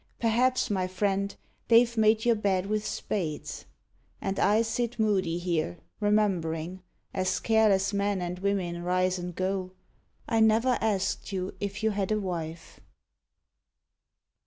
Perhaps, my friend, they ve made your bed with spades ! And I sit moody here, remembering, As careless men and women rise and go, I never asked you if you had a wife.